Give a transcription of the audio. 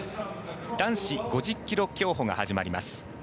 男子５０ｋｍ競歩が始まります。